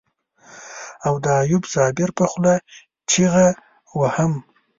او د ايوب صابر په خوله چيغه وهم.